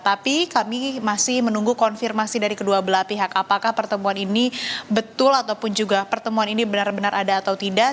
tapi kami masih menunggu konfirmasi dari kedua belah pihak apakah pertemuan ini betul ataupun juga pertemuan ini benar benar ada atau tidak